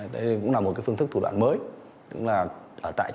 đây cũng là một phương thức thủ đoạn mới